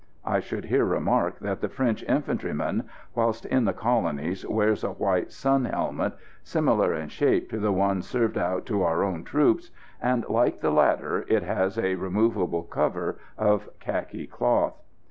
I should here remark that the French infantryman, whilst in the Colonies, wears a white sun helmet, similar in shape to the one served out to our own troops, and, like the latter, it has a removable cover of khaki cloth.